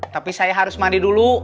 tapi saya harus mandi dulu